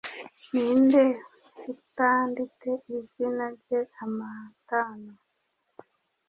Ninde utandite izina rye Amatano